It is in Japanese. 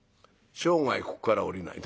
生涯ここから降りない」。